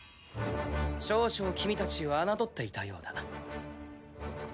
少々君たちを侮っていたようだな。